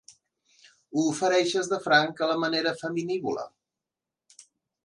Ho ofereixes de franc a la manera feminívola.